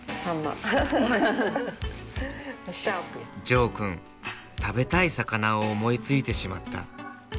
ジョーくん食べたい魚を思いついてしまった。